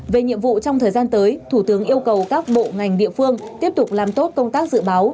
về nhiệm vụ trong thời gian tới thủ tướng yêu cầu các bộ ngành địa phương tiếp tục làm tốt công tác dự báo